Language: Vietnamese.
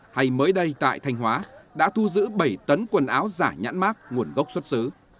hay mới đây tại thanh hóa đã thu giữ bảy tấn quần áo giả nhãn mát nguồn gốc xuất xứ